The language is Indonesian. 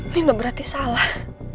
nino berarti salah